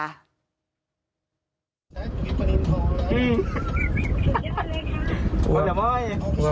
หรอ